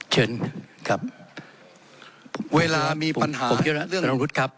เชิญครับเวลามีปัญหาผมคิดว่าเรื่องครับ